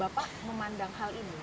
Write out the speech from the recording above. bapak memandang hal ini